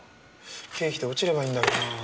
経費で落ちればいいんだけどな。